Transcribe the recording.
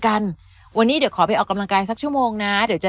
กันวันนี้เดี๋ยวขอไปออกกำลังกายสักชั่วโมงนะเดี๋ยวจะ